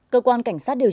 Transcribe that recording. cơ quan cảnh sát điều trị